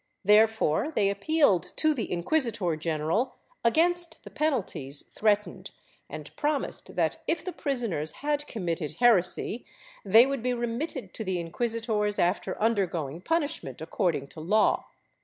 Therefore they appealed to the inquisitor general against the penalties threatened and promised that, if the prisoners had committed heresy, they would be remitted to the inquisitors after undergoing punishment according to law.